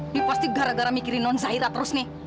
ini pasti gara gara mikirin nonzairah terus nih